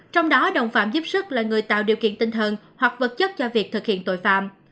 trong đó đồng phạm giúp sức là người tạo điều kiện tinh thần hoặc vật chất cho việc thực hiện tội phạm